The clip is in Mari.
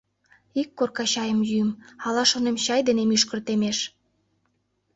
Ик корка чайым йӱым, ала, шонем, чай дене мӱшкыр темеш.